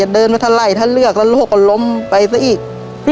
เป็นห่วงเรื่องสุขภาพ